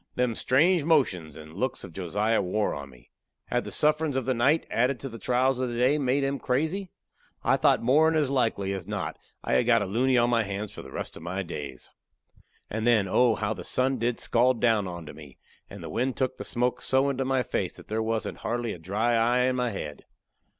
Them strange motions and looks of Josiah wore on me. Had the sufferin's of the night, added to the trials of the day, made him crazy? I thought more'n as likely as not I had got a luny on my hands for the rest of my days. And then, oh, how the sun did scald down onto me, and the wind took the smoke so into my face that there wasn't hardly a dry eye in my head.